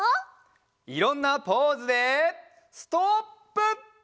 いろんなポーズでストップ！